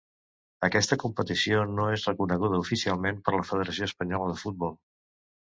Aquesta competició no és reconeguda oficialment per la Federació Espanyola de Futbol.